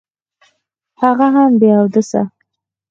هغه هم بې اوداسه.